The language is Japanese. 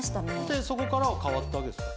でそこからは変わったわけですか？